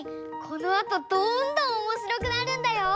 このあとどんどんおもしろくなるんだよ！